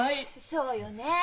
そうよね。